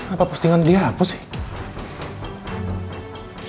apa kelingin di hapus